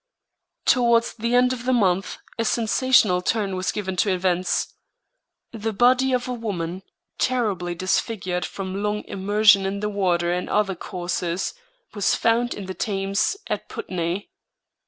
Towards the end of the month a sensational turn was given to events. The body of a woman, terribly disfigured from long immersion in the water and other causes, was found in the Thames at Putney.